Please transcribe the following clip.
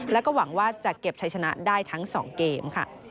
แล้วก็หวังว่าจะเก็บใช้ชนะได้ทั้ง๒เกมค่ะ